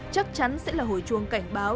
chắc chắn sẽ là hồi chuông cảnh báo